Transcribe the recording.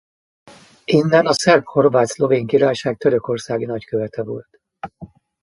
Innen a Szerb-Horvát-Szlovén Királyság törökországi nagykövete volt.